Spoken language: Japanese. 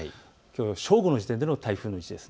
正午の時点での台風の位置です。